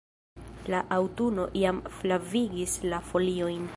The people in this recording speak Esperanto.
La aŭtuno jam flavigis la foliojn.